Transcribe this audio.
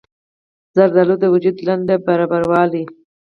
زردالو د وجود لندبل برابروي.